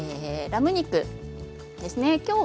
ラム肉です。